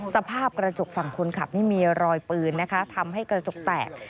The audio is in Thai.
สภาพกระจกฝั่งคนขับนี่มีรอยปืนนะคะทำให้กระจกแตก